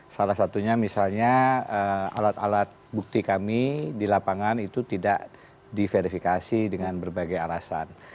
salah satunya misalnya alat alat bukti kami di lapangan itu tidak diverifikasi dengan berbagai alasan